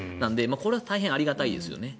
これは本当にありがたいですよね。